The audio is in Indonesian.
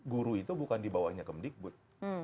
guru itu bukan dibawahnya kemdikbud